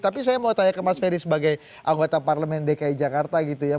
tapi saya mau tanya ke mas ferry sebagai anggota parlemen dki jakarta gitu ya